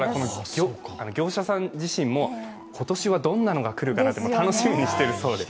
業者さん自身も、今年はどんなのが来るかなと楽しみにしているそうです。